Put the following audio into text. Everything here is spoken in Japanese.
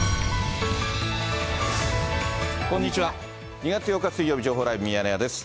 ２月８日水曜日、情報ライブミヤネ屋です。